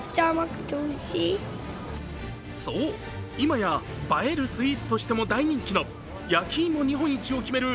そう、今や映えるスイーツとしても大人気の焼き芋日本一を決める